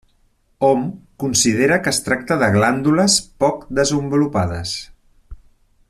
Hom considera que es tracta de glàndules poc desenvolupades.